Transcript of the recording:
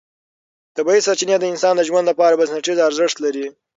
طبیعي سرچینې د انسان د ژوند لپاره بنسټیز ارزښت لري